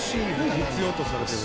必要とされてる。